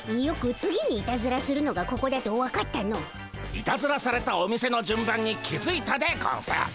いたずらされたお店の順番に気づいたでゴンス。